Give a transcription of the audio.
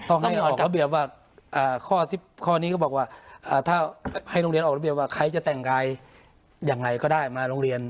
ให้ออกระเบียบว่าข้อนี้ก็บอกว่าถ้าให้โรงเรียนออกระเบียบว่าใครจะแต่งกายอย่างไรก็ได้มาโรงเรียน